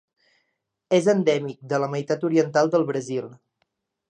És endèmic de la meitat oriental del Brasil.